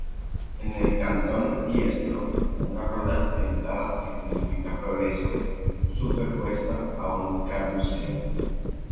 En el cantón diestro una rueda dentada que significa progreso, superpuesta a un caduceo.